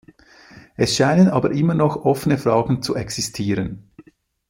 Es scheinen aber immer noch offene Fragen zu existieren.